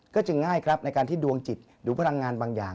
จึงง่ายครับในการที่ดวงจิตหรือพลังงานบางอย่าง